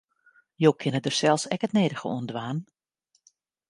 Jo kinne dêr sels ek it nedige oan dwaan.